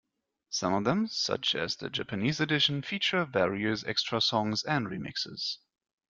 Some of them, such as the Japanese edition, feature various extra songs and remixes.